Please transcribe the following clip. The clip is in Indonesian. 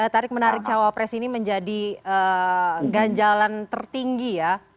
tarik menarik cawapres ini menjadi ganjalan tertinggi ya